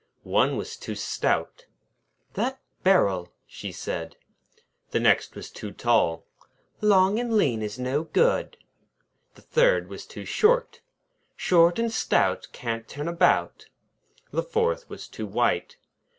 One was too stout. 'That barrel!' she said. The next was too tall. 'Long and lean is no good!' The third was too short. 'Short and stout, can't turn about!' The fourth was too white.